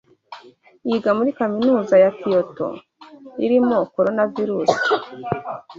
Yiga muri kaminuza ya Kyoto irimo Coronavirus